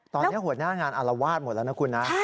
ตอนนี้หัวหน้างานอารวาสหมดแล้วนะคุณนะ